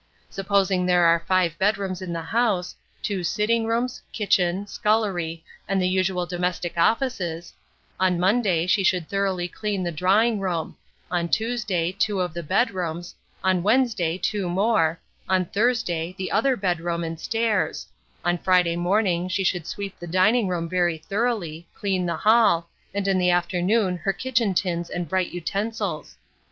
Supposing there are five bedrooms in the house, two sitting rooms, kitchen, scullery, and the usual domestic offices: on Monday she should thoroughly clean the drawing room; on Tuesday, two of the bedrooms; on Wednesday, two more; on Thursday, the other bedroom and stairs; on Friday morning she should sweep the dining room very thoroughly, clean the hall, and in the afternoon her kitchen tins and bright utensils.